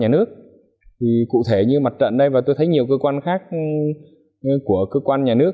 nhà nước thì cụ thể như mặt trận đây và tôi thấy nhiều cơ quan khác của cơ quan nhà nước